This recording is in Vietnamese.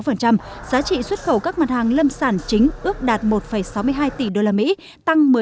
giá trị xuất khẩu các mặt hàng lâm sản chính ước đạt một sáu mươi hai tỷ usd tăng một mươi năm